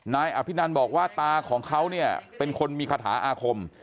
นายอภินันบอกว่าตาของเขาเนี่ยเป็นคนมีคาถาอาคม